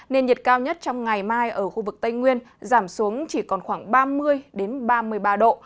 nên nhiệt cao nhất trong ngày mai ở khu vực tây nguyên giảm xuống chỉ còn khoảng ba mươi ba mươi ba độ